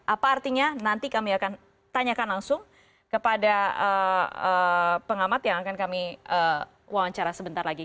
apa artinya nanti kami akan tanyakan langsung kepada pengamat yang akan kami wawancara sebentar lagi